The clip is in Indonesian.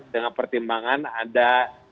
dengan pertimbangan ada